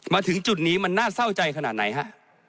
มาถึงจุดนี้มันน่าเศร้าใจขนาดไหนฮะ